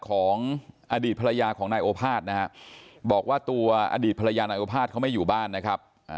ของอดีตภรรยาของนายโอภาษนะฮะบอกว่าตัวอดีตภรรยานายโอภาษเขาไม่อยู่บ้านนะครับ